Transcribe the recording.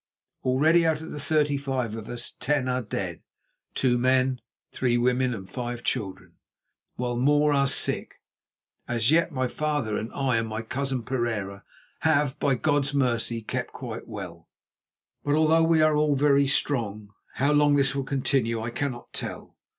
Already out of the thirty five of us, ten are dead, two men, three women, and five children, while more are sick. As yet my father and I and my cousin Pereira have, by God's mercy, kept quite well; but although we are all very strong, how long this will continue I cannot tell.